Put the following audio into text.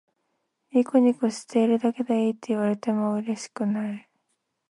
ニコニコしているだけでいいって言われてもうれしくない